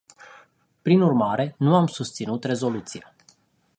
Prin urmare, nu am susținut rezoluția.